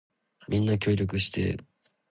みんな協力してー